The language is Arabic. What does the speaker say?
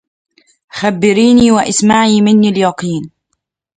خبّريني واسمعي مني اليقين